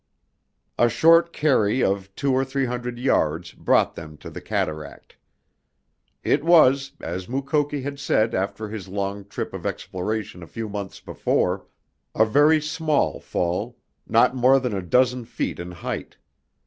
A short carry of two or three hundred yards brought them to the cataract. It was, as Mukoki had said after his long trip of exploration a few months before, a very small fall, not more than a dozen feet in height.